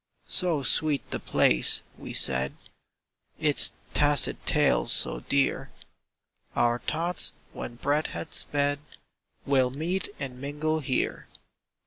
"So sweet the place," we said, "Its tacit tales so dear, Our thoughts, when breath has sped, Will meet and mingle here!"